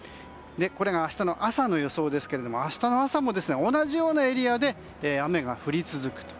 これが明日の朝の予想ですが明日の朝も同じようなエリアで雨が降り続くと。